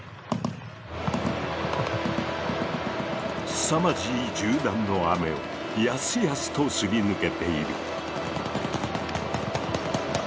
すさまじい銃弾の雨をやすやすとすり抜けている。